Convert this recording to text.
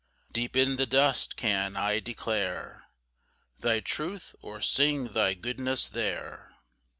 "Deep in the dust can I declare "Thy truth, or sing thy goodness there?